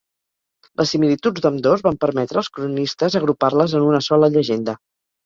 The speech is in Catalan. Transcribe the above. Les similituds d'ambdós van permetre als cronistes agrupar-les en una sola llegenda.